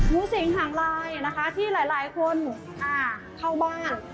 งูสิงหางลายนะคะที่หลายคนเข้าบ้าน